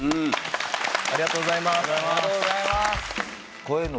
ありがとうございます。